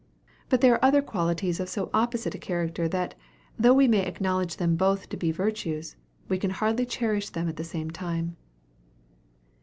But there are other qualities of so opposite a character, that, though we may acknowledge them both to be virtues, we can hardly cherish them at the same time.